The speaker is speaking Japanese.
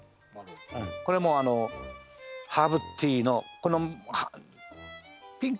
これもうハーブティーのこのピンクの花が咲きます